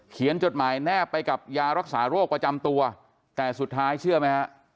จดหมายแนบไปกับยารักษาโรคประจำตัวแต่สุดท้ายเชื่อไหมฮะ